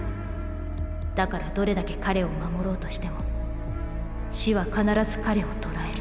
だからどれだけ彼を守ろうとしても死は必ず彼をとらえる。